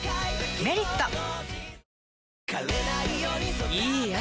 「メリット」いい汗。